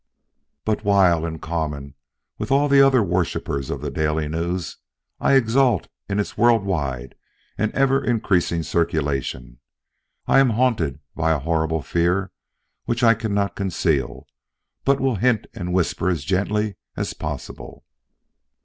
But while, in common with all the other worshippers of the Daily News, I exult in its world wide and ever increasing circulation, I am haunted by a horrible fear, which I cannot conceal, but will hint and whisper as gently as possible.